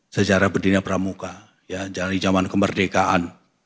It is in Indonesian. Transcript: sejarah berdirinya pramuka dari zaman kemerdekaan